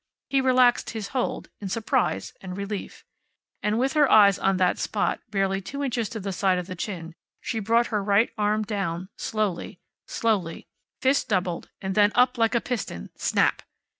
He relaxed his hold, in surprise and relief. And with her eyes on that spot barely two inches to the side of the chin she brought her right arm down, slowly, slowly, fist doubled, and then up like a piston snap!